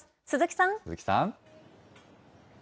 鈴木さん。